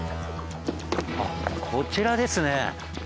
あっこちらですね。